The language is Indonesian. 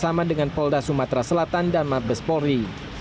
sama dengan polda sumatera selatan dan mabes polri